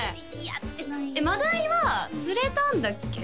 やってないマダイは釣れたんだっけ？